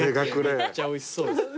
めっちゃおいしそう。